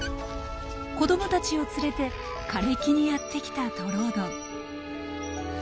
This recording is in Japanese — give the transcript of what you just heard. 子どもたちを連れて枯れ木にやって来たトロオドン。